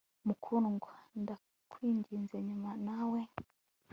Mukundwa ndakwingize nyumva nawe